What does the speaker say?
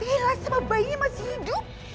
iya sama bayinya masih hidup